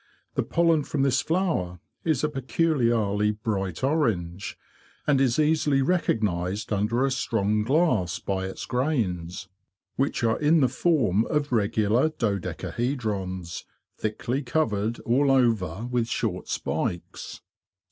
The pollen from this flower is a peculiarly bright orange, and is easily recognised under a strong glass by its grains, which are in the form of regular dodecahedrons, thickly covered all over with short spikes.